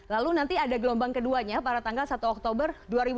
lalu nanti ada gelombang keduanya pada tanggal satu oktober dua ribu dua puluh